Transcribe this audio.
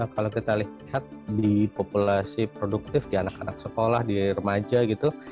kalau kita lihat di populasi produktif di anak anak sekolah di remaja gitu